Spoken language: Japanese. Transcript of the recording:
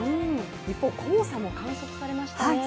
一方黄砂も観測されましたね。